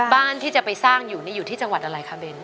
บ้านที่จะไปสร้างอยู่นี่อยู่ที่จังหวัดอะไรคะเน้น